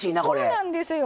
そうなんですよ。